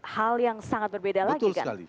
hal yang sangat berbeda lagi kan